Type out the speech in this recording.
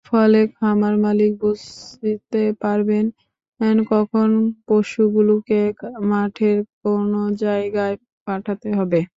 ফলে খামারমালিক বুঝতে পারবেন, কখন পশুগুলোকে মাঠের কোন জায়গায় পাঠাতে হবে।